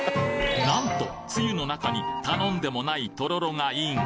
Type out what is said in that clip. なんとツユの中に頼んでもないとろろがＩＮ！